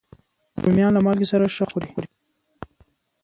رومیان له مالګې سره ښه خوري